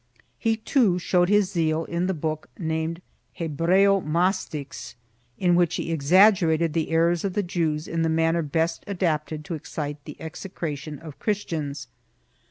He too showed his zeal in the book named Hebrceomastix, in which he exaggerated the errors of the Jews in the manner best adapted to excite the execration of Christians.